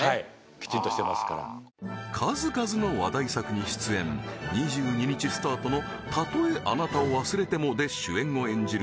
きちんとしてますから数々の話題作に出演２２日スタートのたとえあなたを忘れてもで主演を演じる